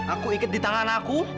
aku ikut di tangan aku